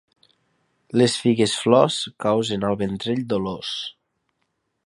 Les figues flors, causen al ventrell dolors.